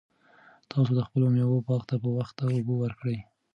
تاسو د خپلو مېوو باغ ته په وخت اوبه ورکړئ.